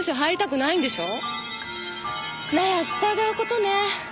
なら従うことね。